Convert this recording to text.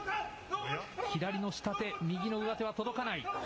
左の下手、右の上手は届かない。